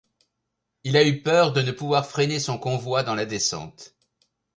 Il a eu peur de ne pouvoir freiner son convoi dans la descente.